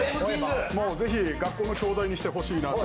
ぜひ学校の教材にしてほしいなと。